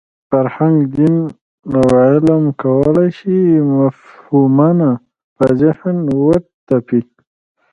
فرهنګ، دین او علم کولای شي مفهومونه په ذهن وتپي.